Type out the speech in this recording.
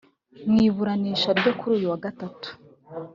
Mu iburanisha ryo kuri uyu wa Gatatu